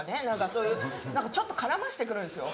そういうちょっと絡ましてくるんですよ。